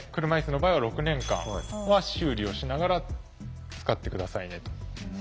車いすの場合は６年間は修理をしながら使って下さいねと。